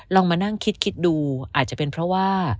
ลองมานั่งคิดดูอาจจะเป็นเพราะว่า